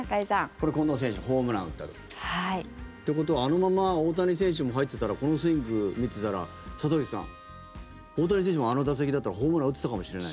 これ、近藤選手ホームラン打った時。ということはあのまま大谷選手も入ってたらこのスイング見てたら、里崎さん大谷選手もあの打席だったらホームラン打ってたかもしれない。